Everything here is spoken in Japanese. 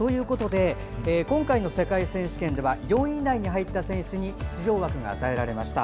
今回の世界選手権では４位以内に入った選手に出場枠が与えられました。